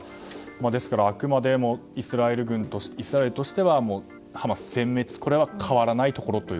ですからあくまでもイスラエルとしてはハマス殲滅というのは変わらないところだと。